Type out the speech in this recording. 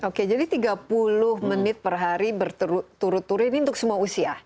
oke jadi tiga puluh menit per hari berturut turut ini untuk semua usia